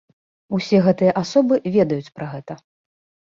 Усе гэтыя асобы ведаюць пра гэта.